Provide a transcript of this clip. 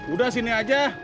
udah sini aja